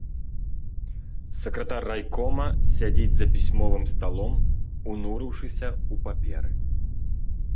Сакратар райкома сядзіць за пісьмовым сталом, унурыўшыся ў паперы.